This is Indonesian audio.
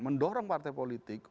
mendorong partai politik